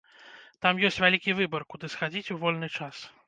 Там ёсць вялікі выбар, куды схадзіць у вольны час.